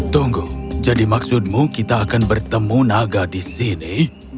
tunggu jadi maksudmu kita akan bertemu naga di sini